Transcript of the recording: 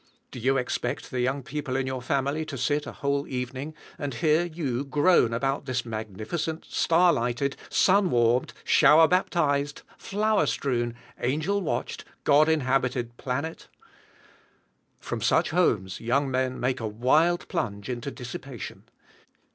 Do you expect the young people in your family to sit a whole evening and hear you groan about this magnificent, star lighted, sun warmed, shower baptized, flower strewn, angel watched, God inhabited planet? From such homes young men make a wild plunge into dissipation.